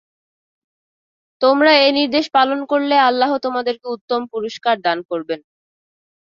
তোমরা এ নির্দেশ পালন করলে আল্লাহ তোমাদেরকে উত্তম পুরস্কার দান করবেন।